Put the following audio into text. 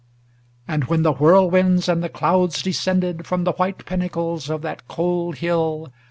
XXIX And when the whirlwinds and the clouds descended From the white pinnacles of that cold hill.